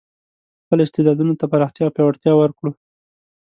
خپل استعدادونو ته پراختیا او پیاوړتیا ورکړو.